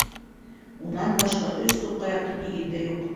Унан башҡа өс тоҡҡа яҡын иген дә юҡ...